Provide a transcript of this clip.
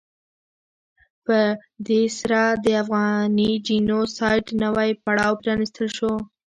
په دې سره د افغاني جینو سایډ نوی پړاو پرانستل شو.